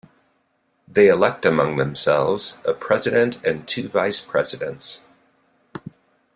They elect among themselves, a President and two Vice Presidents.